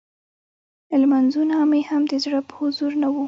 لمونځونه مې هم د زړه په حضور نه وو.